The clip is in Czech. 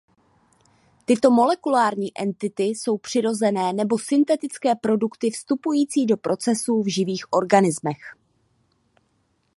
Tyto molekulární entity jsou přirozené nebo syntetické produkty vstupující do procesů v živých organismech.